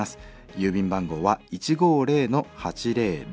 郵便番号は１５０−８００１。